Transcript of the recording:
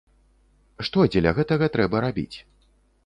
Што дзеля гэтага трэба рабіць?